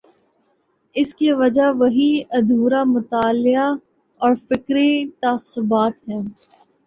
اس کی وجہ وہی ادھورا مطالعہ اور فکری تعصبات ہیں۔